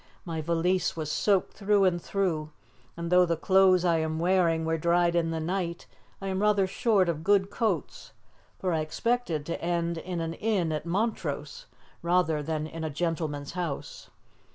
My valise was soaked through and through, and, though the clothes I am wearing were dried in the night, I am rather short of good coats, for I expected to end in an inn at Montrose rather than in a gentleman's house.